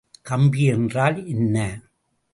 கப்பி என்றால் என்ன?